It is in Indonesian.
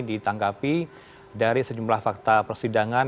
ditangkapi dari sejumlah fakta persidangan